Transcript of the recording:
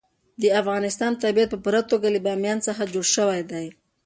د افغانستان طبیعت په پوره توګه له بامیان څخه جوړ شوی دی.